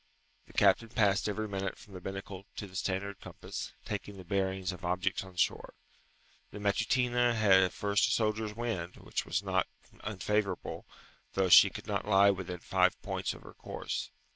The captain passed every minute from the binnacle to the standard compass, taking the bearings of objects on shore. The Matutina had at first a soldier's wind which was not unfavourable, though she could not lie within five points of her course.